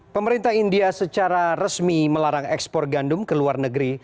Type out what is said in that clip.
pemerintah india secara resmi melarang ekspor gandum ke luar negeri